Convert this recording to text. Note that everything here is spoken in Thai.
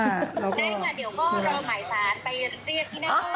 ได้ค่ะเดี๋ยวพ่อเราเอาหมายสารไปเรียกที่หน้าเมื่อไหมคะ